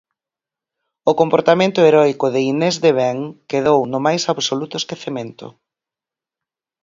O comportamento heroico de Inés de Ben quedou no máis absoluto esquecemento.